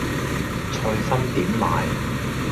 菜心點賣